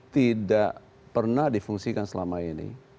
tidak pernah difungsikan selama ini